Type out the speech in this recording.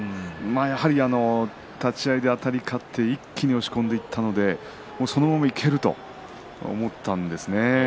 やはり立ち合いであたり勝って一気に押し込んでいったのでそのままいけると思ったんですね。